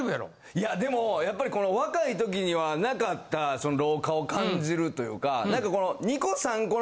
いやでもやっぱりこの若い時にはなかった老化を感じるというか何かこの。